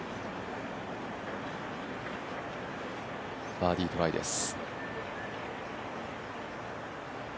バーディートライです。